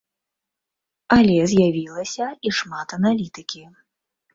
Але з'явілася і шмат аналітыкі.